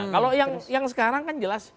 kalau yang sekarang kan jelas